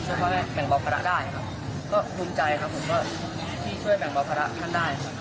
ช่วยพ่อแม่แบ่งบอกภาระได้ครับก็ภูมิใจครับผมก็ที่ช่วยแบ่งบอกภาระท่านได้